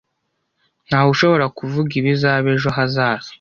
Ntawushobora kuvuga ibizaba ejo hazaza.